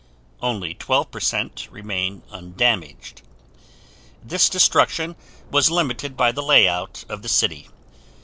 Only 12% remained undamaged. This destruction was limited by the layout of the city.